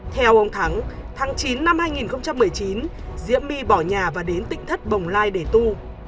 theo ông thắng tháng chín năm hai nghìn một mươi chín diễm my bỏ nhà và đến tỉnh thất bồng lai để tu